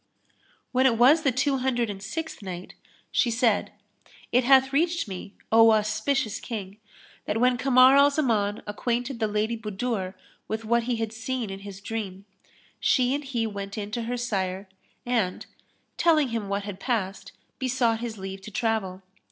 When it was the Two Hundred and Sixth Night, She said, It hath reached me, O auspicious King, that when Kamar al Zaman acquainted the Lady Budur with what he had seen in his dream, she and he went in to her sire and, telling him what had passed, besought his leave to travel.